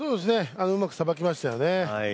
うまく、さばきましたよね